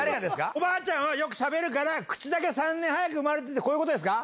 おばあちゃんはよくしゃべるから、口だけ３年早く生まれてるって、こういうことですか。